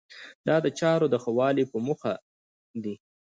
دا د چارو د ښه والي په موخه دی.